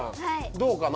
どうかな？